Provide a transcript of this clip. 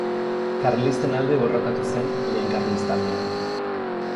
Karlisten alde borrokatu zen Lehen Karlistaldian.